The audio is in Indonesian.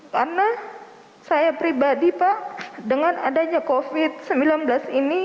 karena saya pribadi pak dengan adanya covid sembilan belas ini